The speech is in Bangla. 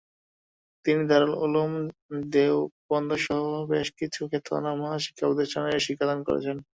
তিনি দারুল উলুম দেওবন্দসহ বেশ কিছু খ্যাতনামা শিক্ষাপ্রতিষ্ঠানে শিক্ষাদান করেছেন।